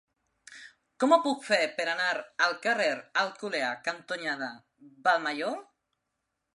Com ho puc fer per anar al carrer Alcolea cantonada Vallmajor?